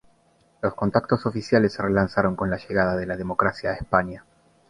Los contactos oficiales se relanzaron con la llegada de la democracia a España.